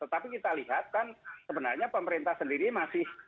tetapi kita lihat kan sebenarnya pemerintah sendiri masih